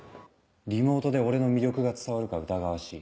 リモートで俺の魅力が伝わるか疑わしい。